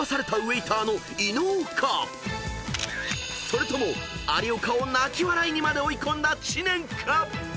［それとも有岡を泣き笑いにまで追い込んだ知念か］